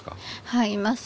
はいいます。